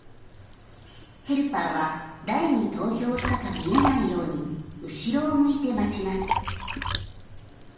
ヘルパーは誰に投票したか見えないように後ろを向いて待ちます。